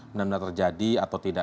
benar benar terjadi atau tidak